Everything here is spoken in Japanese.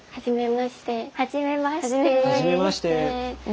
はじめまして。